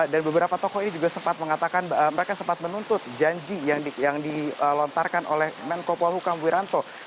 dan beberapa tokoh ini juga sempat mengatakan mereka sempat menuntut janji yang dilontarkan oleh menko polhukam wiranto